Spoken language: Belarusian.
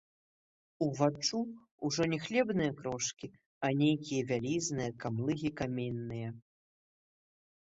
Уваччу ўжо не хлебныя крошкі, а нейкія вялізныя камлыгі каменныя.